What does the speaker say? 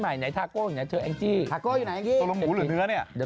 หน้าเหมือนแองจี้อยู่นี่นะ